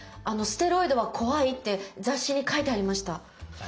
「ステロイドは怖い」って雑誌に書いてありました。